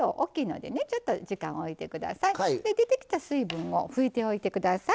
で出てきた水分を拭いておいてください。